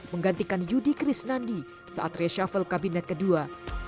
menggantikan yudi krisnandi saat reshuffle kabinet kedua